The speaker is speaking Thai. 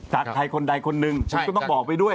ใครคนใดคนหนึ่งฉันก็ต้องบอกไปด้วย